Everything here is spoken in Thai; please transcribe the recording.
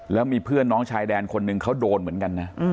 แล้วมีเพื่อนน้องชายแดนคนหนึ่งเขาโดนเหมือนกันนะ